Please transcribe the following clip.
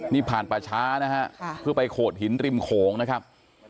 นี่ผ่านป่าช้านะฮะเพื่อไปโขดหินริมโขงนะครับ